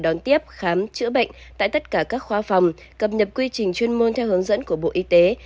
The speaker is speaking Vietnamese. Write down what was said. đón tiếp khám chữa bệnh tại tất cả các khoa phòng cập nhập quy trình chuyên môn theo hướng dẫn của bộ y tế